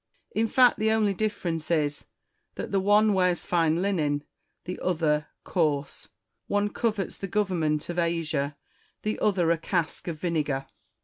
In fact, the only difference is that the one wears fine linen, the other coarse ; one covets the government of Asia, the other a cask of vinegar.